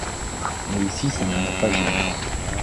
Mais ici ça ne m'a pas gêné.